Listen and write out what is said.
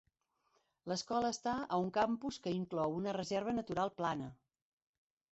L'escola està a un campus que inclou una reserva natural plana.